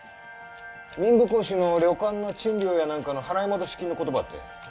民部公子の旅館の賃料やなんかの払い戻し金のことばってん。